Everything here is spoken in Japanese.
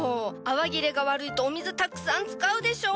泡切れが悪いとお水たくさん使うでしょ！？